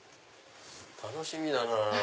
楽しみだなぁ。